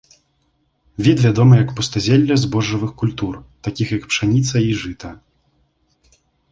Від вядомы як пустазелле збожжавых культур, такіх як пшаніца і жыта.